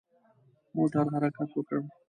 موټر حرکت وکړ.